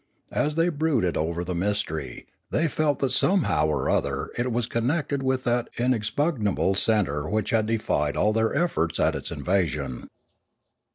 As they brooded over the mys tery, they felt that somehow or other it was connected with that inexpugnable centre which had defied all their efforts at its invasion.